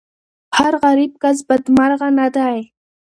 هر غریب کس بدمرغه نه وي.